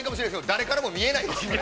誰からも見えないですね。